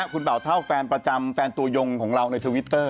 คุณเบาเท่าแฟนประจำแฟนตัวยงของเราในทวิตเตอร์